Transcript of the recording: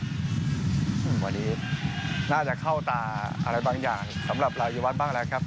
วันนี้น่าจะเข้าตาอะไรบางอย่างสำหรับรายวัฒน์บ้างแล้วครับ